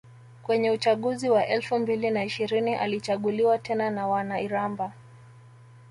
Kwenye uchaguzi wa elfu mbili na ishirini alichaguliwa tena na wana Iramba